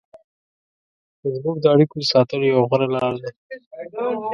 فېسبوک د اړیکو د ساتلو یوه غوره لار ده